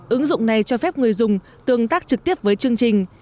ứng dụng này cho phép người dùng tương tác trực tiếp với chương trình